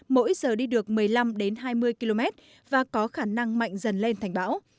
mỗi giờ đi được một mươi năm hai mươi km và có khả năng mạnh dần lên thành bão